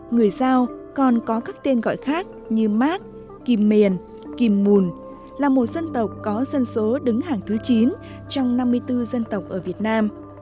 người dao còn có các tên gọi khác như mát kim mền kim mùn là một dân tộc có dân số đứng hàng thứ chín trong năm mươi bốn dân tộc ở việt nam